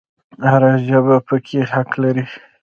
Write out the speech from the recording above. هر ژبه پکې حق لري